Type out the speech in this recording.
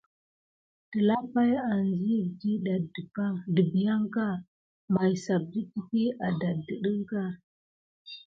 Telapay anziyek diɗɑ dəbiyanka may sap də teky adaddəɗ əŋka.